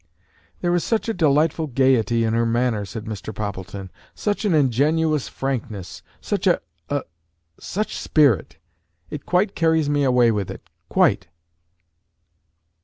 "There is such a delightful gayety in her manner!" said Mr. Poppleton; "such an ingenuous frankness! such a a such spirit! It quite carries me away with it, quite."